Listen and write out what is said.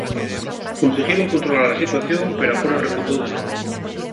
Conseguiron controlar a situación pero agora repuntou de novo.